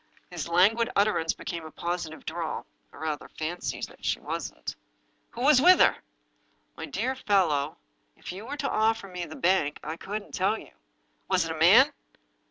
His languid utterance became a posi tive drawl. " I rather fancy that she wasn't." "Who was with her?" " My dear fellow, if you were to offer me the bank I couldn't tell you." "Was it a man?"